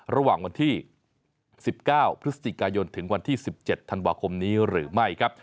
ระหว่างวันที่๑๙พฤศจิกายนถึงวันที่๑๗ธันวาคมนี้หรือไม่ครับ